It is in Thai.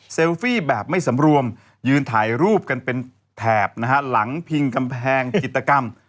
ฟี่แบบไม่สำรวมยืนถ่ายรูปกันเป็นแถบนะฮะหลังพิงกำแพงกิจกรรม